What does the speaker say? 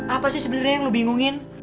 apa sih sebenarnya yang lo bingungin